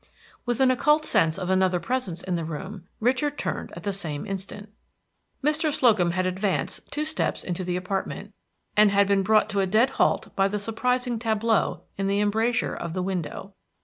With an occult sense of another presence in the room, Richard, turned at the same instant. Mr. Slocum had advanced two steps into the apartment, and had been brought to a dead halt by the surprising tableau in the embrasure of the window.